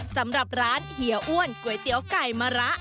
สำหรับร้านเฮียอ้วนก๋วยเตี๋ยวไก่มะระ